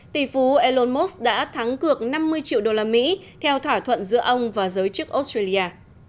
tỷ phú elon musk đã thắng cược năm mươi triệu đô la mỹ theo thỏa thuận giữa ông và giới chức australia